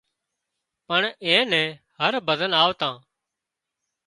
پڻ اين نين هر ڀزن آوتان